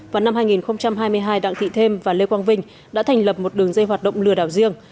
vào năm hai nghìn hai mươi hai đặng thị thêm và lê quang vinh đã thành lập một đường dây hoạt động lừa đảo riêng